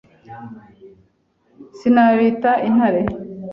Si nabita intare